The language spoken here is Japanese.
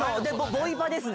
ボイパですね。